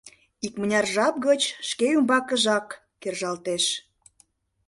Икмыняр жап гыч шке ӱмбакыжак кержалтеш: